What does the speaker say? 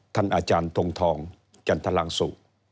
อาจารย์ทงทองจันทรังสุ